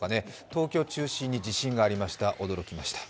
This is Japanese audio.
東京を中心に地震がありました、驚きました。